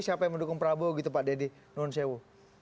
siapa yang mendukung prabowo gitu pak dedy nunsewo